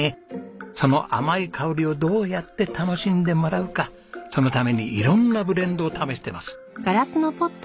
その甘い香りをどうやって楽しんでもらうかそのために色んなブレンドを試してます。